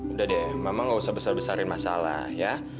udah deh mama gak usah besar besarin masalah ya